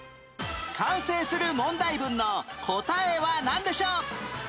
完成する問題文の答えはなんでしょう？